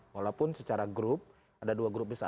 walaupun secara grup ada dua grup besar